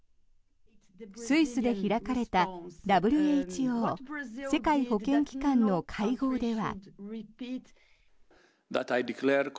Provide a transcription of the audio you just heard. スイスで開かれたＷＨＯ・世界保健機関の会合では。